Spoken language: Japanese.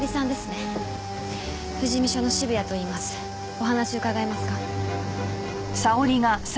お話伺えますか？